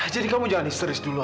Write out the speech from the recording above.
jadi kamu jangan histeris dulu alena